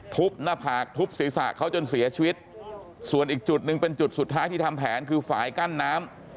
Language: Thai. หน้าผากทุบศีรษะเขาจนเสียชีวิตส่วนอีกจุดหนึ่งเป็นจุดสุดท้ายที่ทำแผนคือฝ่ายกั้นน้ำ